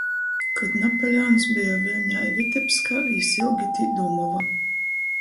Kod Napoleons beja Viļņā i Vitebskā, jis ilgi tī dūmova.